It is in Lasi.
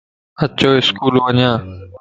اچو اسڪول ونيا